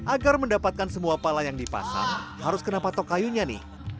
agar mendapatkan semua pala yang dipasang harus kena patok kayunya nih